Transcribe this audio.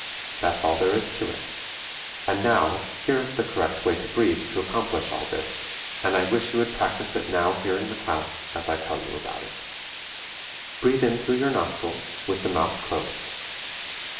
That's all there is to it. And now, here is the correct way to breathe to accomplish all this, and I wish you would practice it now here in the class as I tell you about it: Breathe in through your nostrils, with the mouth closed.